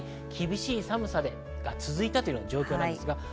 厳しい寒さが続いたという状況です。